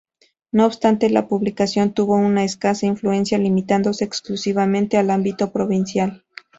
No obstante, la publicación tuvo una escasa influencia, limitándose exclusivamente al ámbito provincial.